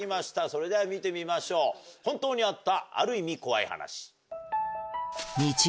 それでは見てみましょう「ほんとにあったある意味怖い話」。